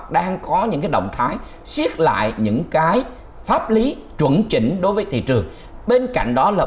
đang có những cái động thái siết lại những cái pháp lý chuẩn chỉnh đối với thị trường bên cạnh đó là